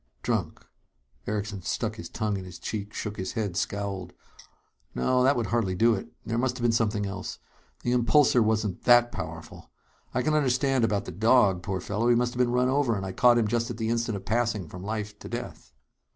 "Drunk " Erickson stuck his tongue in his cheek, shook his head, scowled. "No, that would hardly do it. There must have been something else. The impulsor isn't that powerful. I can understand about the dog, poor fellow. He must have been run over, and I caught him just at the instant of passing from life to death."